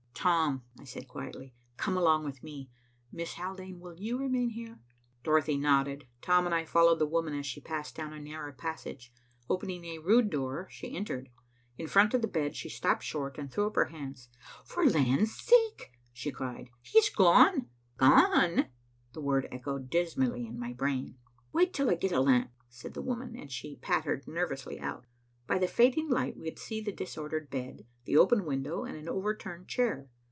"Tom," I said quietly, "come along with me. Miss Haldane, will you remain here?" Dorothy nodded. Tom and I followed the woman as she passed down a narrow passage. Opening a rude door, she entered. In front of the bed, she stopped short and threw up her hands. "For the land's sake," she cried. "He's gone!" Gone! The word echoed dismally in my brain. "Wait till I get a lamp," said the woman, and she pattered nervously out. By the fading light, we could see the disordered bed, the open window, and an overturned chair.